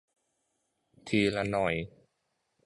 ทีละหน่อย